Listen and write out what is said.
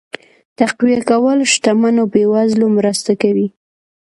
تقويه کول شتمنو بې وزلو مرسته کوي.